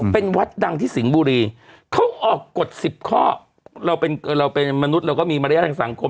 เป็นวัดดังที่สิงห์บุรีเขาออกกฎ๑๐ข้อเราเป็นมนุษย์เราก็มีมารยาททางสังคม